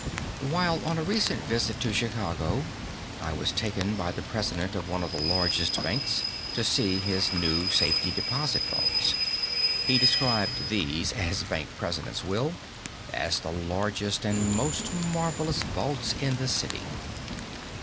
While on a recent visit to Chicago, I was taken by the president of one of the largest banks to see his new safety deposit vaults. He described these as bank presidents will as the largest and most marvellous vaults in the city.